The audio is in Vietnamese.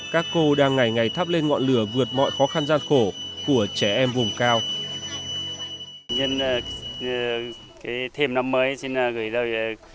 các cô đang ngày ngày thắp lên ngọn lửa vượt mọi khó khăn gian khổ của trẻ em vùng cao